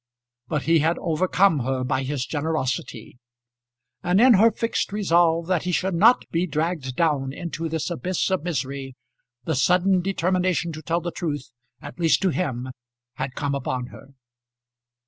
But he had overcome her by his generosity; and in her fixed resolve that he should not be dragged down into this abyss of misery the sudden determination to tell the truth at least to him had come upon her.